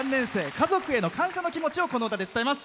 家族への感謝の気持ちをこの歌で伝えます。